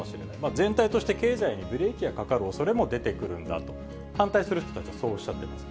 全体として、経済にブレーキがかかるおそれも出てくるんだと、反対する人たちはそうおっしゃっています。